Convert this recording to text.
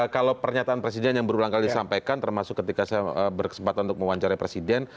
kalau pernyataan presiden yang berulang kali disampaikan termasuk ketika saya berkesempatan untuk mewawancari presiden